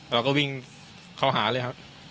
เราก็วิ่งเข้าหาเลยครับ